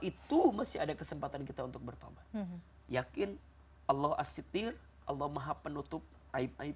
itu masih ada kesempatan kita untuk bertobat yakin allah as sitir allah maha penutup aib aib